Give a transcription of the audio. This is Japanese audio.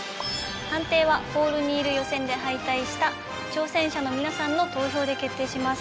判定はホールにいる予選で敗退した挑戦者の皆さんの投票で決定します。